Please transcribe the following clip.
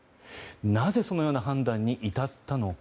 なぜ、そのような判断に至ったのか。